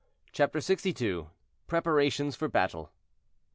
CHAPTER LXII. PREPARATIONS FOR BATTLE.